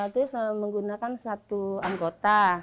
terus menggunakan satu anggota